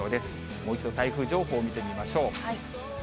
もう一度、台風情報を見てみましょう。